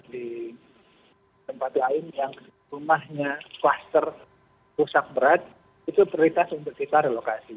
di tempat lain yang rumahnya kluster rusak berat itu prioritas untuk kita relokasi